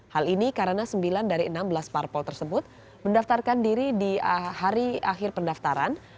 hal ini karena sembilan dari enam belas parpol tersebut mendaftarkan diri di hari akhir pendaftaran